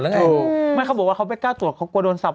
แล้วไงอืมไม่เขาบอกว่าเขาไปกล้าตรวจเขากลัวโดนสับ